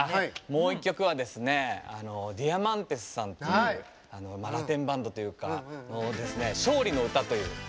もう一曲はディアマンテスさんっていうラテンバンドというか「勝利のうた」という。